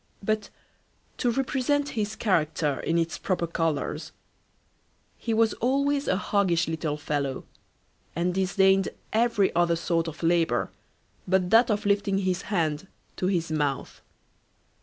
But, to represent his character in its proper colours, he was always a hoggish little fellow, and disdained every other sort of labour but that of lifting his hand to his mouth.